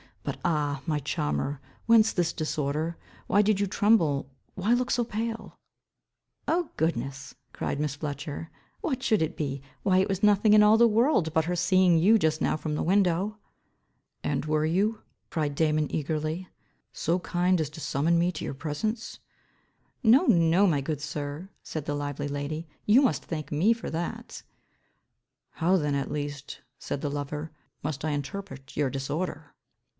But, ah, my charmer, whence this disorder? Why did you tremble, why look so pale?" "Oh goodness," cried Miss Fletcher, "what should it be? Why it was nothing in all the world, but her seeing you just now from the window." "And were you," cried Damon eagerly, "so kind as to summon me to your presence?" "No, no, my good sir," said the lively lady, "you must thank me for that". "How then at least," said the lover, "must I interpret your disorder?"